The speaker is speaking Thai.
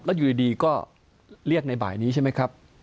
แล้วอยู่ดีก็เรียกในบ่ายนี้ใช่ไหมครับ